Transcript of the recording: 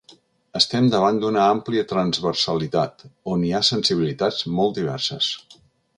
Estem davant d’una àmplia transversalitat, on hi ha sensibilitats molt diverses.